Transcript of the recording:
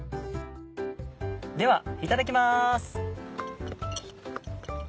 ではいただきます。